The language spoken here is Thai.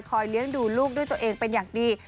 เลี้ยงดูลูกด้วยตัวเองเป็นอย่างดี